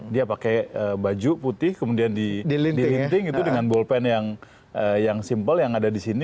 dia pakai baju putih kemudian dilinting gitu dengan ball pen yang simple yang ada di sini